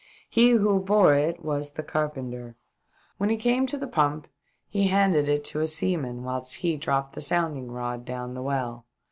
He who bore it was the carpenter. When he came to the pump he handed it to 470 THE DEATH SHIP. a seaman whilst he dropped the sounding rod down the well.